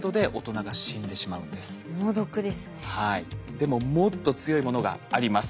でももっと強いものがあります。